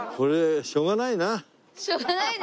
しょうがないね。